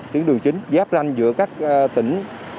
tiến đường chính giáp ranh giữa các tỉnh